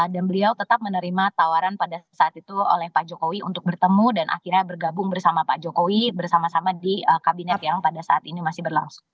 dan beliau tetap menerima tawaran pada saat itu oleh pak jokowi untuk bertemu dan akhirnya bergabung bersama pak jokowi bersama sama di kabinet yang pada saat ini masih berlangsung